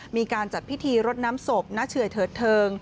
มีการจัดพิธีรดน้ำศพณเฉื่อยเถิดเทิง